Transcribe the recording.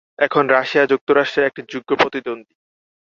এখন রাশিয়া যুক্তরাষ্ট্রের একটি যোগ্য প্রতিদ্বন্দ্বী।